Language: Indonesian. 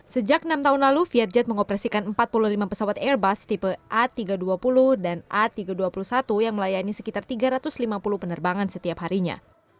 sejak enam tahun lalu vietjet mengoperasikan empat puluh lima pesawat airbus tipe a tiga ratus dua puluh dan a tiga ratus dua puluh satu yang melayani sekitar tiga ratus lima puluh penerbangan setiap harinya